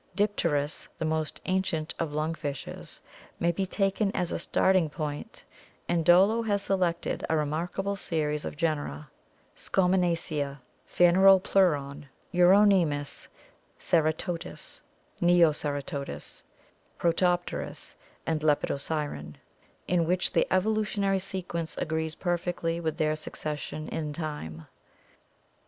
Dipterus, the most ancient of lung fishes, may be taken as a starting point and Dollo has selected a remarkable series of genera, Scautnenacia, Phaneropleuron, Urone muSy Ceratodus (Neoceratodus), Protopterus ', and Lepidosiren, in which the evolutionary sequence agrees perfectly with their suces sion in time.